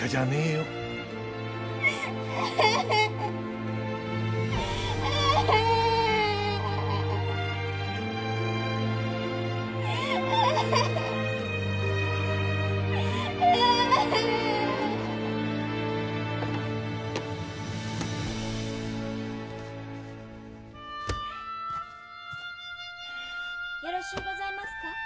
・よろしゅうございますか？